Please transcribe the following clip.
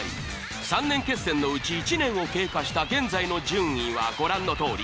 ３年決戦のうち１年を経過した現在の順位はご覧のとおり。